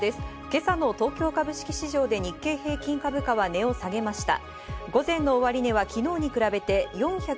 今朝の東京株式市場で日経平均株価は値を下げました。